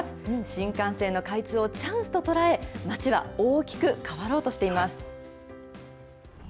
新幹線の開通をチャンスと捉え、町は大きく変わろうとしています。